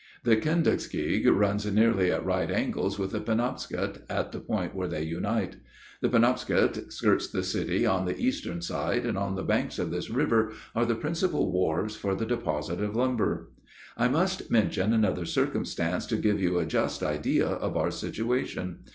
The Kenduskeag runs nearly at right angles with the Penobscot, at the point where they unite. The Penobscot skirts the city on the eastern side, and on the banks of this river are the principal wharves for the deposit of lumber. I must mention another circumstance to give you a just idea of our situation.